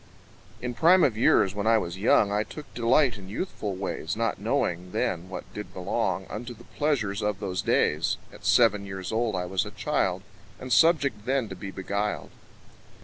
] IN prime of years, when I was young, I took delight in youthful ways, Not knowing then what did belong Unto the pleasures of those days. At seven years old I was a child, And subject then to be beguiled.